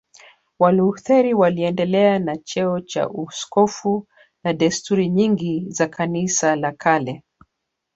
Walutheri waliendelea na cheo cha uaskofu na desturi nyingi za Kanisa la kale